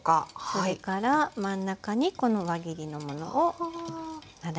それから真ん中にこの輪切りのものを並べていきます。